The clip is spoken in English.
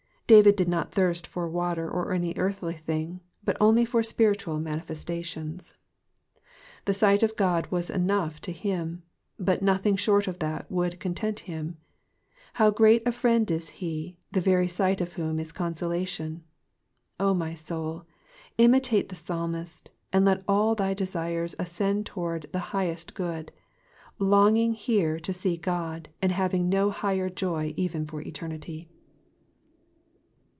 David did not thirst for water or any earthly thing, but only for spiritual manifestations. The sight of Digitized by Google PSALM THE SIXTY THIBD. 135 God was enough for him, but uothing short of that would content him. How great a friend is he, the very sight of whom is consolation. Oh, my soul, imitate the psalmist, and let all thy desires ascend towards the highest good ; longing here to see God, and having no higher joy even for eternity.